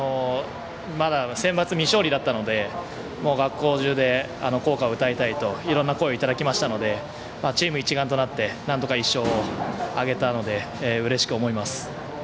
まだセンバツ未勝利だったので学校中で校歌を歌いたいと、いろんな声をいただきましたのでチーム一丸となってなんとか１勝を挙げたのでうれしく思います。